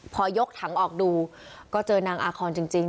พอยกถังออกดูก็เจอนางอาคอนจริง